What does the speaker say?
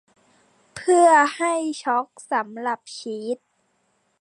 เพื่อให้ชอล์กสำหรับชีส